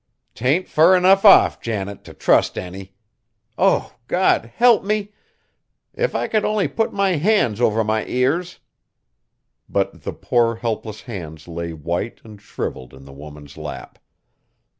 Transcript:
"'T ain't fur enough off, Janet, to trust any! Oh! God help me! If I could only put my hands over my ears!" But the poor, helpless hands lay white and shrivelled in the woman's lap.